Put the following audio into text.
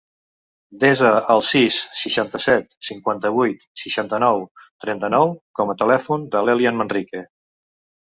Desa el sis, seixanta-set, cinquanta-vuit, seixanta-nou, trenta-nou com a telèfon de l'Elian Manrique.